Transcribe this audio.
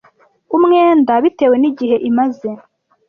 umwenda bitewe nigihe imaze